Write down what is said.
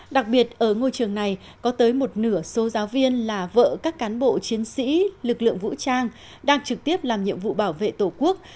đặc biệt ở ngôi trường này có tới một nửa số giáo viên là vợ các cán bộ chiến sĩ lực lượng vũ trang đang trực tiếp làm nhiệm vụ bảo vệ tổ quốc